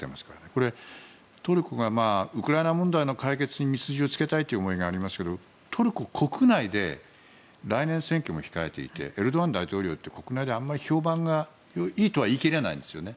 これ、トルコがウクライナ問題の解決に道筋をつけたいという思いがありますけどトルコ国内で来年、選挙も控えていてエルドアン大統領って国内であまり評判がいいとは言い切れないんですよね。